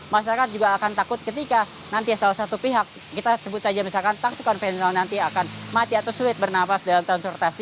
masyarakat juga akan takut ketika nanti salah satu pihak kita sebut saja misalkan taksi konvensional nanti akan mati atau sulit bernafas dalam transportasi